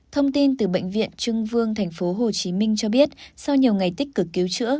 thông tin từ bệnh viện trưng vương tp hcm cho biết sau nhiều ngày tích cực cứu chữa